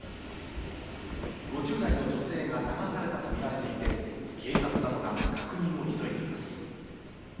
５０代の女性が流されたと見られていて、警察などが確認を急いでいます。